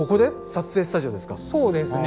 撮影スタジオですか。